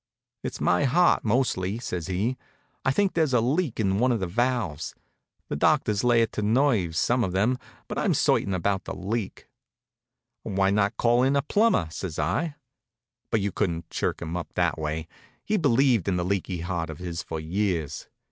"It's my heart mostly," says he. "I think there's a leak in one of the valves. The doctors lay it to nerves, some of them, but I'm certain about the leak." "Why not call in a plumber?" says I. But you couldn't chirk him up that way. He'd believed in that leaky heart of his for years.